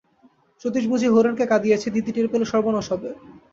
সতীশ বুঝি হরেনকে কাঁদিয়েছে, দিদি টের পেলে সর্বনাশ হবে।